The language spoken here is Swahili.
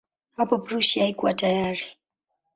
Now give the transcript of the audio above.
Hapo Prussia haikuwa tayari.